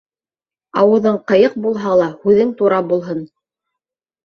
Ауыҙың ҡыйыҡ булһа ла, һүҙең тура булһын!